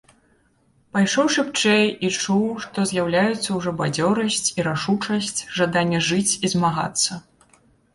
Пайшоў шыбчэй і чуў, што з'яўляецца ўжо бадзёрасць і рашучасць, жаданне жыць і змагацца.